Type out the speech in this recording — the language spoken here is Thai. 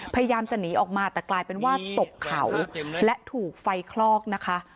พยายามจะหนีออกมาแต่กลายเป็นว่าตกเขาและถูกไฟคลอกนะคะ